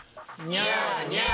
ニャーニャー。